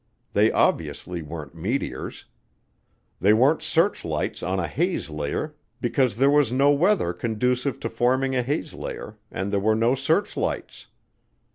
They obviously weren't meteors. They weren't searchlights on a haze layer because there was no weather conducive to forming a haze layer and there were no searchlights.